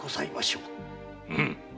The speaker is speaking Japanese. うむ。